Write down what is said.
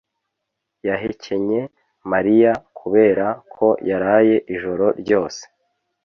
yahekenye Mariya kubera ko yaraye ijoro ryose